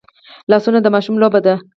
لاسونه د ماشوم لوبه ده